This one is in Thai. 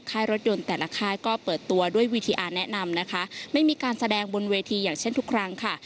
รถยนต์แต่ละค่ายก็เปิดตัวด้วยวิธีอาร์แนะนำนะคะไม่มีการแสดงบนเวทีอย่างเช่นทุกครั้งค่ะ